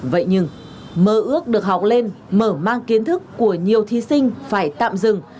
vậy nhưng mơ ước được học lên mở mang kiến thức của nhiều thí sinh phải tạm dừng